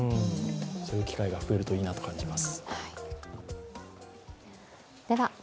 そういう機会が増えるといいなと感じます。